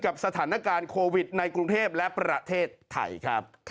สถานการณ์โควิดในกรุงเทพและประเทศไทยครับ